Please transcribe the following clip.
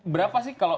berapa sih kalau